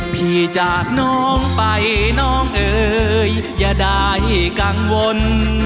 พี่จากน้องไปน้องเอ๋ยอย่าได้กังวล